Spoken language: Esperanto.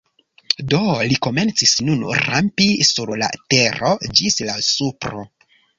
Do li komencis nun rampi sur la tero ĝis la supro.